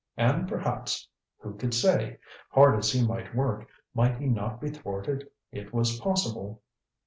And perhaps Who could say? Hard as he might work, might he not be thwarted? It was possible.